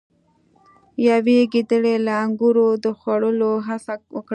یوې ګیدړې له انګورو د خوړلو هڅه وکړه.